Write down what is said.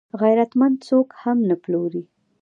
غیرتمند څوک هم نه پلوري